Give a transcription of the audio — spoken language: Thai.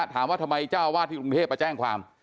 ถามว่าทำไมเจ้าวาดที่กรุงเทพมาแจ้งความ